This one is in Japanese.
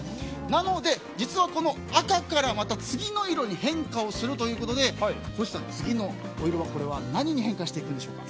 なので、実は赤からまた次の色に変化するということで星さん、次のお色は何に変化するのでしょうか。